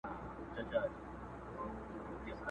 کابل منتر وهلی٫